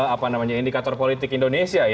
apa namanya indikator politik indonesia